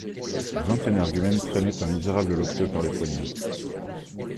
Vingt énergumènes traînaient un misérable loqueteux par les poignets.